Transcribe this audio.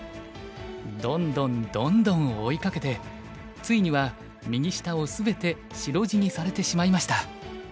どんどんどんどん追いかけてついには右下を全て白地にされてしまいました。